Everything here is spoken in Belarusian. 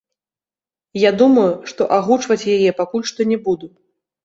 Я думаю, што агучваць яе пакуль што не буду.